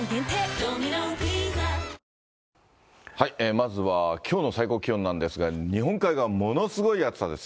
まずはきょうの最高気温なんですが、日本海側、ものすごい暑さです。